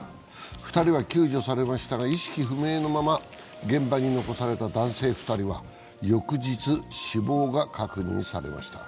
２人は救助されましたが、意識不明のまま現場に残された男性２人は翌日、死亡が確認されました。